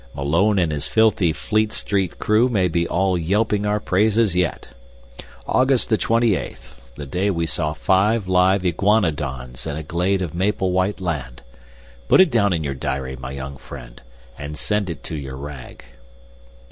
Malone and his filthy Fleet Street crew may be all yelping our praises yet. August the twenty eighth the day we saw five live iguanodons in a glade of Maple White Land. Put it down in your diary, my young friend, and send it to your rag."